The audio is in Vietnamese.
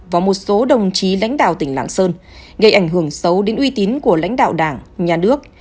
và một số đồng chí lãnh đạo tỉnh lạng sơn gây ảnh hưởng xấu đến uy tín của lãnh đạo đảng nhà nước